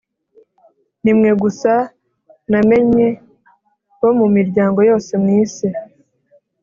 “Ni mwe gusa namenye bo mu miryango yose yo mu isi